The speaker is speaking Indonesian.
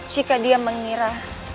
jika dia mengira